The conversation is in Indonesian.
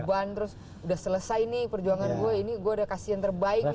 beban terus udah selesai nih perjuangan gue ini gue udah kasih yang terbaik